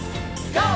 ＧＯ！